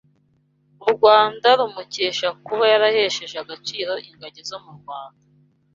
U Rwanda rumukesha kuba yarahesheje agaciro ingagi zo mu Rwanda